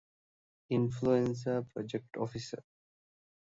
އިންފުލުއެންޒާ ޕްރޮޖެކްޓް އޮފިސަރ